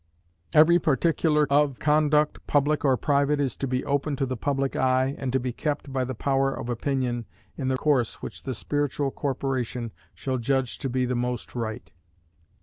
Every particular of conduct, public or private, is to be open to the public eye, and to be kept, by the power of opinion, in the course which the Spiritual corporation shall judge to be the most right.